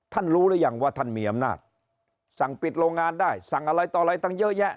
รู้หรือยังว่าท่านมีอำนาจสั่งปิดโรงงานได้สั่งอะไรต่ออะไรตั้งเยอะแยะ